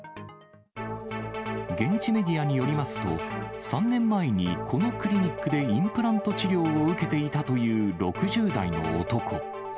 現地メディアによりますと、３年前にこのクリニックでインプラント治療を受けていたという６０代の男。